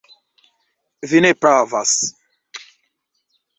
Vi ne pravas.